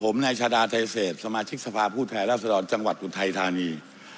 ผมนายชาดาไทเศษสมาชิกสภาพผู้แทนราษฎรจังหวัดอุทัยธานี